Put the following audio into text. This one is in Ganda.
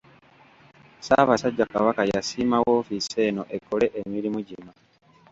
Ssaabasajja Kabaka yasiima woofiisi eno ekole emirimu gino.